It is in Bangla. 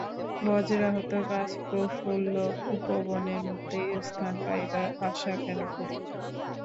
বজ্রাহত গাছ প্রফুল্ল উপবনের মধ্যে স্থান পাইবার আশা কেন করিবে?